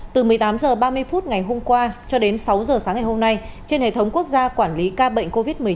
từ một mươi tám h ba mươi phút ngày hôm qua cho đến sáu h sáng ngày hôm nay trên hệ thống quốc gia quản lý ca bệnh covid một mươi chín